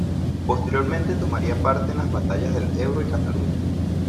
Posteriormente tomaría parte en las batallas del Ebro y Cataluña.